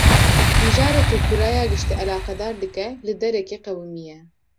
Mijareke ku raya giştî eleqedar dike, li derekê qewimiye